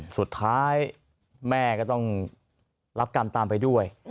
สุดท้ายแม่ก็ต้องรับกรรมตามไปด้วย